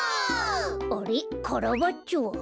あれっカラバッチョは？